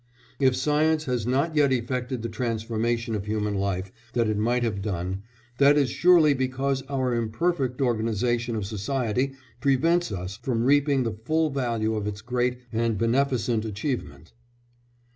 If science has not yet effected the transformation of human life that it might have done, that is surely because our imperfect organisation of society prevents us from reaping the full value of its great and beneficent achievement.